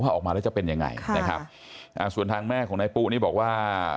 พอออกมาแล้วจะเป็นยังไงนะครับอ่าส่วนทางแม่ของนายปุ๊นี่บอกว่า